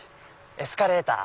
エスカレーター。